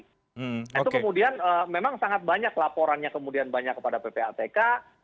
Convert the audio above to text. nah itu kemudian memang sangat banyak laporannya kemudian banyak kepada ppatk